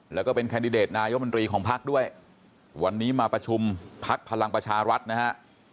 แล้วก็เป็นแคนดิเดตนายมนตรีของพักด้วยวันนี้มาประชุมพักพลังประชารัฐนะฮะ